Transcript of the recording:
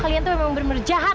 kalian tuh emang bener bener jahat